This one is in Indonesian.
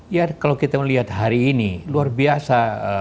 ya kalau kita melihat hari ini luar biasa